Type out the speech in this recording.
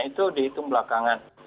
itu dihitung belakangan